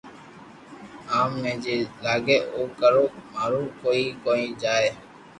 آم ني جي لاگي او ڪرو مارو ڪوئي ڪوئ جائي